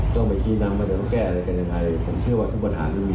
ทุกประเทศถ้าม